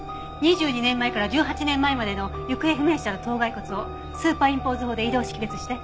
２２年前から１８年前までの行方不明者の頭蓋骨をスーパーインポーズ法で異同識別して。